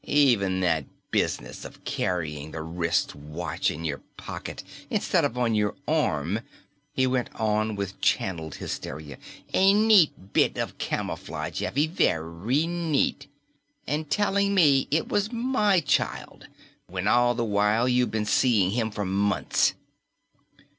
"Even that business of carrying the wristwatch in your pocket instead of on your arm," he went on with channeled hysteria. "A neat bit of camouflage, Effie. Very neat. And telling me it was my child, when all the while you've been seeing him for months!"